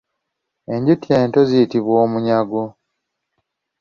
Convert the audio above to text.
Enjuki ento ziyitibwa Omunyago.